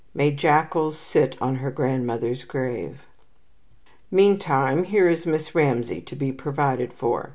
May jackals sit on her grandmother's grave! Meantime here is Miss Ramsay to be provided for.